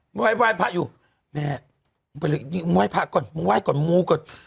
ค่ะไหว้ภักดิ์อยู่แม่มึงไหว้ภักดิ์ก่อนมึงไหว้ก่อนมึงมูก่อน